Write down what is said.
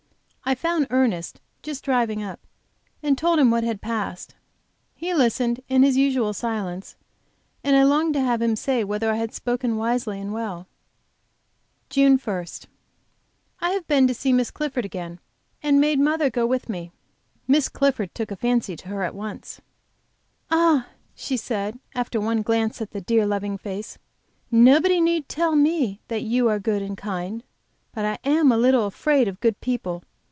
I found Ernest just driving up, and told him what had passed. He listened in his usual silence, and I longed to have him say whether I had spoken wisely and well. JUNE 1. I have been to see Miss Clifford again and made mother go with me. Miss Clifford took a fancy to her at once. "Ah!" she said, after one glance at the dear, loving face, "nobody need tell me that you are good and kind. But I am a little afraid of good people.